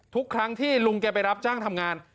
ทุกครั้งที่ลุงแกไปรับจ้างทำงาน